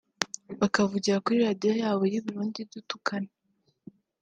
bakavugira kuri Radio yabo y’u Burundi dutukana